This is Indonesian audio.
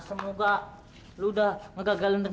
sial kenapa sudah personalnya meluih yeefy